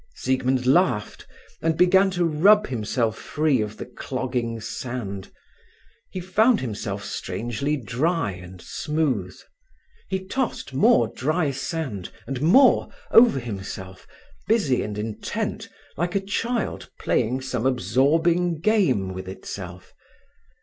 Siegmund laughed, and began to rub himself free of the clogging sand. He found himself strangely dry and smooth. He tossed more dry sand, and more, over himself, busy and intent like a child playing some absorbing game with itself.